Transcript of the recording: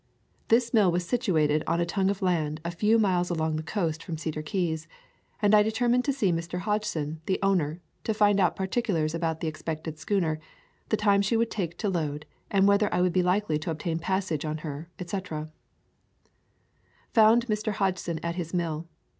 This mill was situated on a tongue of land a few miles along the coast from Cedar Keys, and I determined to see Mr. Hodgson, the owner, to find out particulars about the expected schooner, the time she would take to load, whether I would be likely to obtain passage on her, etc. Found Mr. Hodgson at his mill.